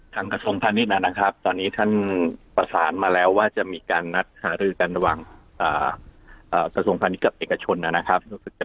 กระทรวงพาณิชย์นะครับตอนนี้ท่านประสานมาแล้วว่าจะมีการนัดหารือกันระหว่างกระทรวงพาณิชยกับเอกชนนะครับ